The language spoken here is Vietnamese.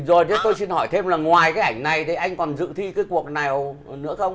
rồi chứ tôi xin hỏi thêm là ngoài cái ảnh này thì anh còn dự thi cái cuộc nào nữa không